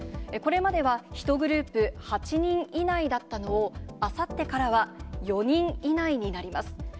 これまでは１グループ８人以内だったのを、あさってからは４人以内になります。